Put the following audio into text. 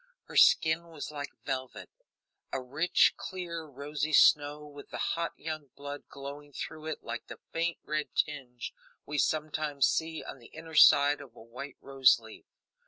Her skin was like velvet; a rich, clear, rosy snow, with the hot young blood glowing through it like the faint red tinge we sometimes see on the inner side of a white rose leaf.